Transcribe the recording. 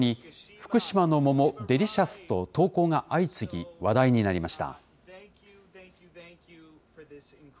福島の桃デリシャスと投稿が相次ぎ、話題になりました。